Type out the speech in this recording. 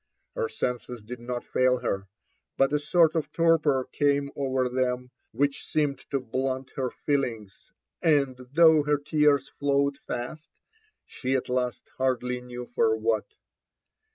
Her senses did not fail her, but a sort of torpor came over theua which seemed to blunt JONATHAN JEFFERSON WHITLAW. 348 < her feelings, 4nd tbou^ her tears flowed fast, she at last hardly knew for what.